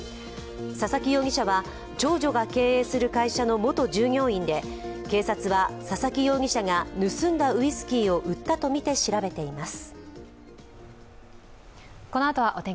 佐々木容疑者は、長女が経営する会社の元従業員で警察は佐々木容疑者が盗んだウイスキーを売ったとして調べています。